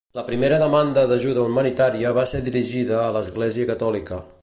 La primera demanda d'ajuda humanitària va ser dirigida a l'Església Catòlica.